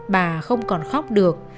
bà không còn khóc được